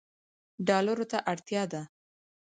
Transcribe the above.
ډالرو ته اړتیا ده